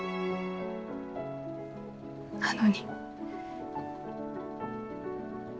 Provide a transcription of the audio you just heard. なのに。